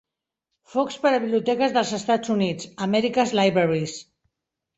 Fox per a Biblioteques dels Estats Units (America's Libraries).